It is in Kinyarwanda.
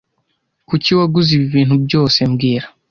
Kuki waguze ibi bintu byose mbwira